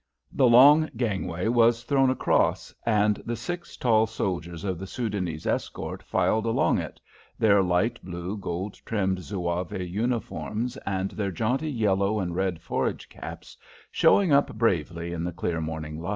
The long gangway was thrown across, and the six tall soldiers of the Soudanese escort filed along it, their light blue, gold trimmed zouave uniforms and their jaunty yellow and red forage caps showing up bravely in the clear morning light.